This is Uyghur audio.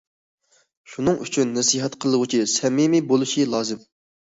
شۇنىڭ ئۈچۈن نەسىھەت قىلغۇچى سەمىمىي بولۇشى لازىم.